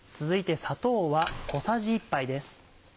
続いて砂糖は小さじ１杯です。